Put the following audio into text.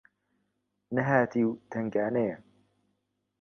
نەهاتی و تەنگانەیە